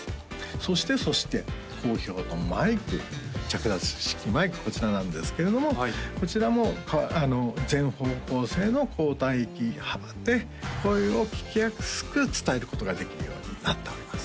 そしてそして好評のマイク着脱式マイクこちらなんですけれどもこちらも全方向性の高帯域幅で声を聴きやすく伝えることができるようになっております